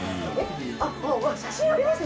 ⁉あっ写真ありますね。